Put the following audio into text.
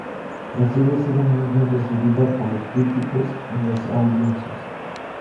La serie ha sido muy bien recibida por los críticos y las audiencias.